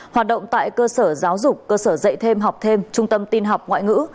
hoạt động tại cơ sở giáo dục cơ sở dạy thêm học thêm trung tâm tin học ngoại ngữ